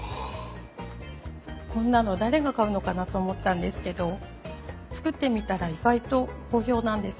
こんなの誰が買うのかなと思ったんですけど作ってみたら意外と好評なんです。